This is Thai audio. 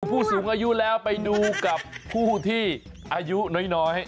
ผู้สูงอายุแล้วไปดูกับผู้ที่อายุน้อย